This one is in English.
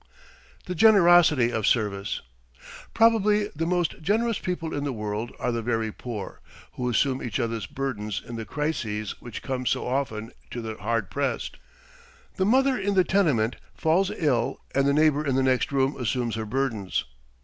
THE GENEROSITY OF SERVICE Probably the most generous people in the world are the very poor, who assume each other's burdens in the crises which come so often to the hard pressed. The mother in the tenement falls ill and the neighbour in the next room assumes her burdens.